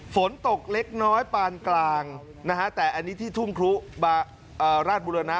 ฝนตกเล็กน้อยปานกลางนะฮะแต่อันนี้ที่ทุ่งครุราชบุรณะ